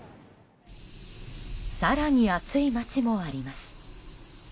更に暑い町もあります。